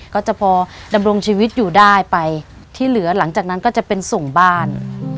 ก็จะพอดำรงชีวิตอยู่ได้ไปที่เหลือหลังจากนั้นก็จะเป็นส่งบ้าน